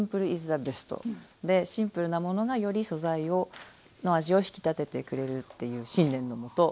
シンプルなものがより素材の味を引き立ててくれるっていう信念のもと